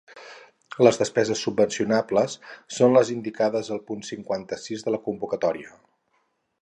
Les despeses subvencionables són les indicades al punt cinquanta-sis de la convocatòria.